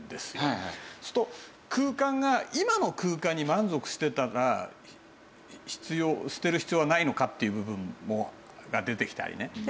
すると空間が今の空間に満足してたら捨てる必要はないのかっていう部分が出てきたりね。